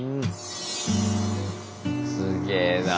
すげえなぁ。